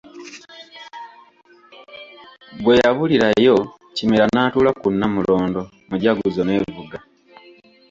Bwe yabulirayo Kimera n’atuula ku Nnamulondo, mujaguzo n'evuga.